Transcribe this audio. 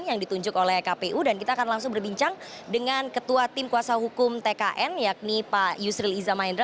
yang ditunjuk oleh kpu dan kita akan langsung berbincang dengan ketua tim kuasa hukum tkn yakni pak yusril iza mahendra